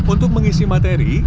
untuk mengisi materi